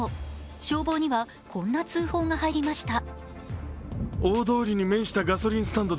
消防にはこんな通報が入りました。